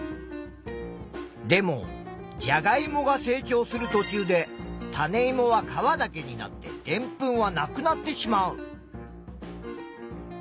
でもじゃがいもが成長するとちゅうで種いもは皮だけになってでんぷんはなくなってしまう。